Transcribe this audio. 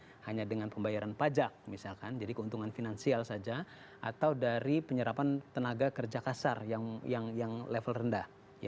tidak hanya dengan pembayaran pajak misalkan jadi keuntungan finansial saja atau dari penyerapan tenaga kerja kasar yang level rendah